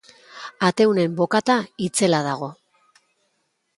Ateunen bokata itzela dago!